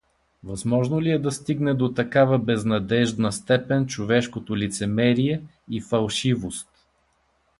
Възможно ли е да стигне до такава безнадеждна степен човешкото лицемерие и фалшивост!